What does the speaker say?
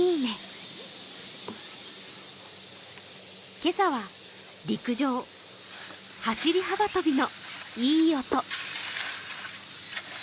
今朝は、陸上・走幅跳のいい音。